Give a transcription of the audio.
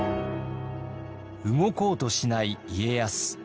動こうとしない家康。